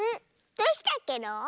どうしたケロ？